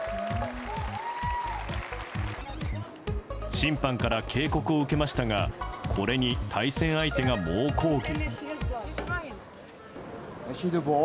審判から警告を受けましたがこれに対戦相手が猛抗議。